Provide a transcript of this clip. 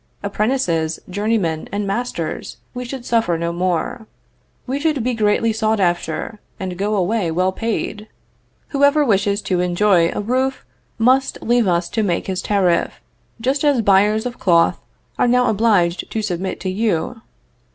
Apprentices, journeymen and masters, we should suffer no more. We should be greatly sought after, and go away well paid. Whoever wishes to enjoy a roof must leave us to make his tariff, just as buyers of cloth are now obliged to submit to you.